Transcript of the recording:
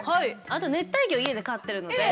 あと熱帯魚家で飼ってるので。